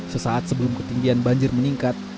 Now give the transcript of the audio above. sesaat sebelum ketinggian banjir meningkat